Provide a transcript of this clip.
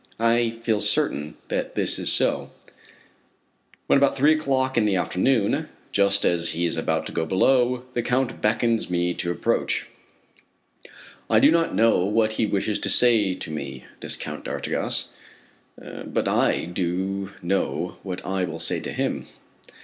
I feel certain that this is so, when about three o'clock in the afternoon, just as he is about to go below, the Count beckons me to approach. I do not know what he wishes to say to me, this Count d'Artigas, but I do know what I will say to him.